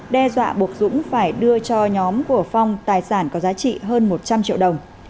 đe dọa buộc dũng phải đưa cho nhóm của phong tài sản có giá trị hơn một trăm linh triệu đồng